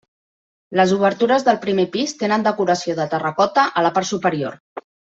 Les obertures del primer pis tenen decoració de terracota a la part superior.